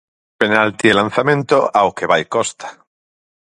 Penalti e lanzamento ao que vai Costa.